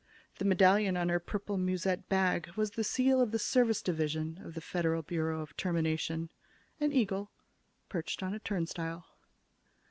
The medallion on her purple musette bag was the seal of the Service Division of the Federal Bureau of Termination, an eagle perched on a turnstile.